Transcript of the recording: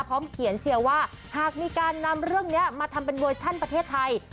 พร้อมเขียนเชียร์ว่าหากมีการนำเรื่องนี้มาทำเป็นเวอร์ชั่นประเทศไทย